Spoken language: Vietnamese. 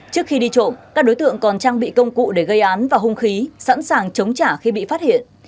trước khi đi trộm các đối tượng còn trang bị công cụ để gây án và hung khí sẵn sàng chống trả khi bị phát hiện